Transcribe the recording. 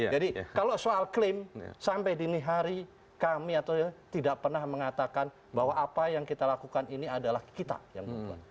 jadi kalau soal klaim sampai dini hari kami atau tidak pernah mengatakan bahwa apa yang kita lakukan ini adalah kita yang membuat